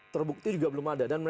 terbukti juga belum ada